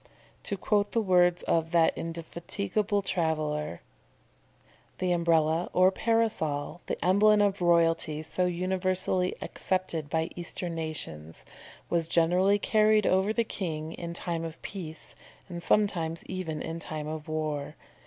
To quote the words of that indefatigable traveller: "The Umbrella or Parasol, the emblem of royalty so universally accepted by eastern nations, was generally carried over the king in time of peace, and sometimes even in time of war.